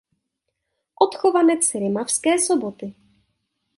Odchovanec Rimavské Soboty.